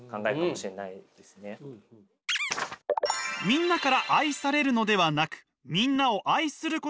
みんなから愛されるのではなくみんなを愛することが大切。